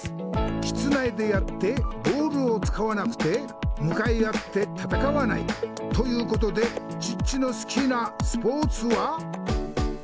室内でやってボールをつかわなくて向かい合って戦わない。ということでチッチの好きなスポーツは。